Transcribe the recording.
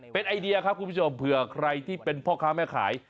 เป็นไอเดียครับคุณผู้ชมเผื่อใครที่เป็นพ่อค้าแม่ขาย